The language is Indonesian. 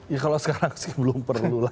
ya kalau sekarang sih belum perlu lah